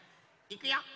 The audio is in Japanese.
いくよ。